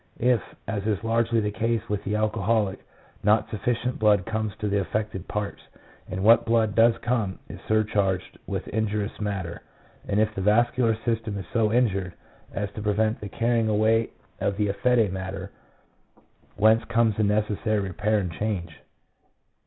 If, as is largely the case with the alcoholic, not sufficient blood comes to the affected parts, and what blood does come is sur charged with injurious matter, and if the vascular system is so injured as to prevent the carrying away of the effete matter, whence comes the necessary repair and change?